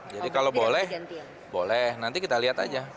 jadi kalau boleh nanti kita lihat saja